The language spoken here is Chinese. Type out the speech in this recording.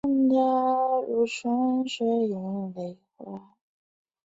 日本与东帝汶的关系可追溯至第二次世界大战期间。